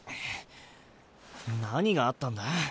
何があったんだ？